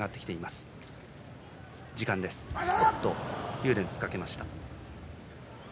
竜電が突っかけました。